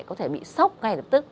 có thể bị sốc ngay lập tức